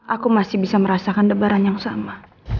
aku masih bisa merasakan lebaran yang sama